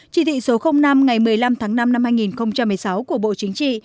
chỉ thị số năm ngày một mươi năm tháng năm năm hai nghìn một mươi sáu của bộ chính trị